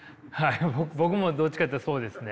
僕もどっちかというとそうですね。